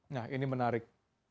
nah ini menarik